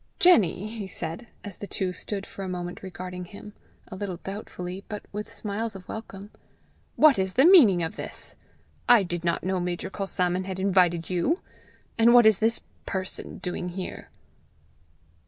"Jenny!" he said, as the two stood for a moment regarding him, a little doubtfully, but with smiles of welcome, "what is the meaning of this? I did not know Major Culsalmon had invited you! And what is this person doing here?"